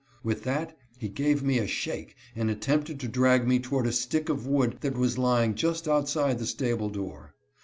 With that he gave me a shake, and attempted to drag me toward a stick of wood that was lying just outside the stable door.